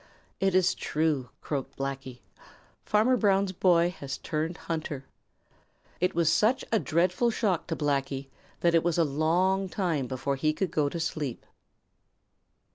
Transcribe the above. "It is true," croaked Blacky. "Farmer Brown's boy has turned hunter." It was such a dreadful shock to Blacky that it was a long time before he could go to sleep.